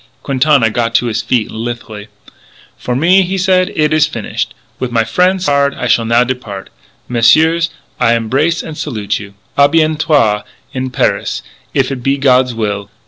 Quintana got to his feet lithely. "For me," he said, "it is finish. With my frien' Sard I shall now depart. Messieurs, I embrace and salute you. A bientôt in Paris if it be God's will!